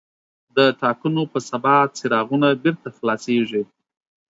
د ټاکنو په سبا څراغونه بېرته خلاصېږي.